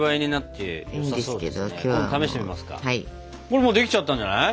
これもうできちゃったんじゃない？